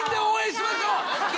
ＯＫ。